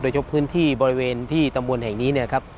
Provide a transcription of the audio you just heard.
โดยชบพื้นที่บริเวณที่ตำบวนแห่งนี้นะครับ